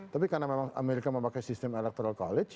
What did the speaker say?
tapi karena memang amerika memakai sistem electoral college